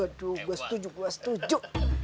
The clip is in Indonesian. aduh gua setuju gua setuju